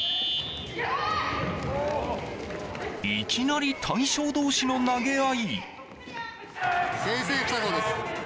いきなり大将同士の投げ合い。